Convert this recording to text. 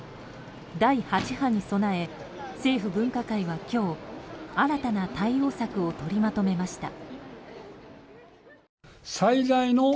第８波に備え政府分科会は今日新たな対応策を取りまとめました。